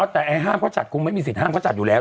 แต่ไอ้ห้ามเขาจัดคงไม่มีสิทธิห้ามเขาจัดอยู่แล้ว